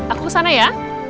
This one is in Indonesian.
aku kesana ya